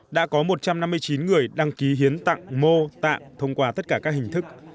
đã có một trăm năm mươi chín người đăng ký hiến tặng mô tạng thông qua tất cả các hình thức